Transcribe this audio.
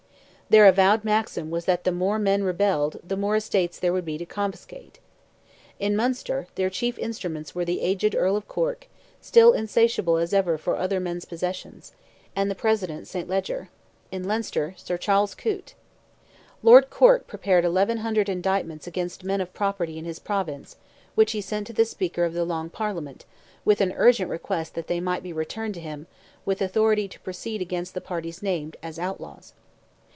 Their avowed maxim was that the more men rebelled, the more estates there would be to confiscate. In Munster, their chief instruments were the aged Earl of Cork, still insatiable as ever for other men's possessions, and the President St. Leger; in Leinster, Sir Charles Coote. Lord Cork prepared 1,100 indictments against men of property in his Province, which he sent to the Speaker of the Long Parliament, with an urgent request that they might be returned to him, with authority to proceed against the parties named, as outlaws.